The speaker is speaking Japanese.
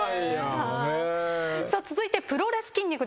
続いてプロレス筋肉代表